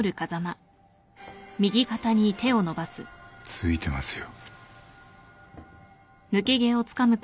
付いてますよ。